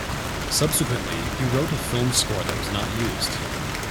Subsequently, he wrote a film score that was not used.